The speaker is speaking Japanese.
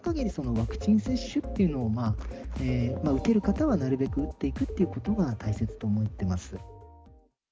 ワクチン接種っていうのを、打てる方はなるべく打っていくということが大切と思ってます。